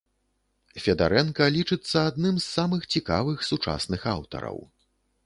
Федарэнка лічыцца адным з самых цікавых сучасных аўтараў.